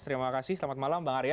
terima kasih selamat malam bang arya